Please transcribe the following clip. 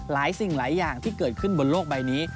สิ่งหลายอย่างที่เกิดขึ้นบนโลกใบนี้